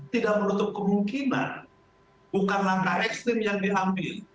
tidak menutup kemungkinan bukan langkah ekstrim yang diambil